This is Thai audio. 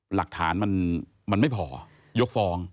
หลักฐานมันไม่พอยกฟ้อง